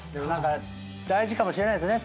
大事かもしれないですね。